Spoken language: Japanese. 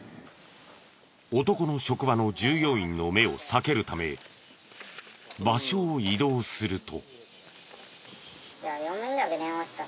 男の職場の従業員の目を避けるため場所を移動すると。